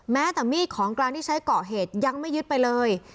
แม้แต่มีดของกลางที่ใช้เกาะเหตุยังไม่ยึดไปเลย